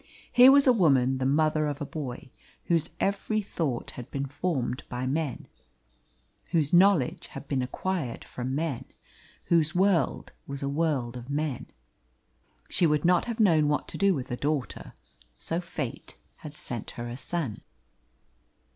Here was a woman, the mother of a boy, whose every thought had been formed by men, whose knowledge had been acquired from men, whose world was a world of men. She would not have known what to do with a daughter, so Fate had sent her a son.